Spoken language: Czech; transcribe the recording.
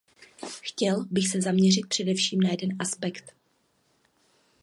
Chtěl bych se zaměřit především na jeden aspekt.